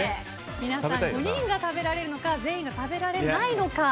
皆さん、５人が食べられるのか全員が食べられないのか。